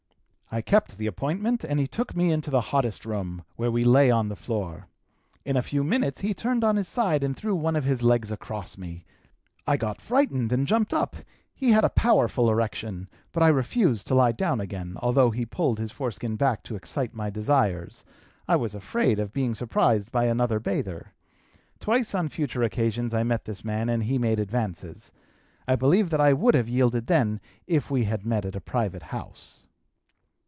"I kept the appointment and he took me into the hottest room, where we lay on the floor; in a few minutes he turned on his side and threw one of his legs across me; I got frightened and jumped up; he had a powerful erection, but I refused to lie down again, although he pulled his foreskin back to excite my desires; I was afraid of being surprised by another bather. Twice on future occasions I met this man and he made advances. I believe that I would have yielded then if we had met at a private house.